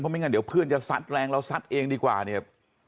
ไม่งั้นเดี๋ยวเพื่อนจะซัดแรงเราซัดเองดีกว่าเนี่ย